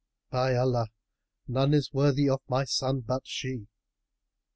By Allah, none is worthy of my son but she!"